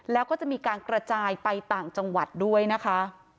แล้วก็จะมีการกระจายไปต่างจังหวัดด้วยนะคะ